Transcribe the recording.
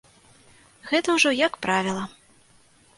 Гэта ўжо як правіла.